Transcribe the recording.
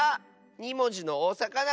２もじのおさかな